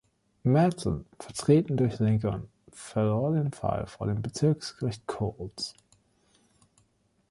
Matson, vertreten durch Lincoln, verlor den Fall vor dem Bezirksgericht Coles.